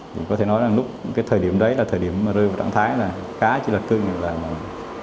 thì có thể nói là lúc cái thời điểm đấy là thời điểm rơi vào trạng thái là khá chứ là cơ nghiệp làm